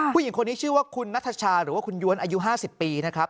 ผู้หญิงคนนี้ชื่อว่าคุณนัทชาหรือว่าคุณย้วนอายุ๕๐ปีนะครับ